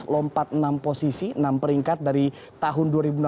lompat enam posisi enam peringkat dari tahun dua ribu enam belas